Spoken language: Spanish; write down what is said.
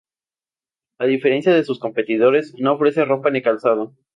A diferencia de sus competidores, no ofrece ropa ni calzado.